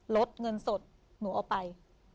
ลดเงินสดหนูเอาไป